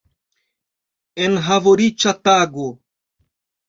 Enhavoriĉa tago!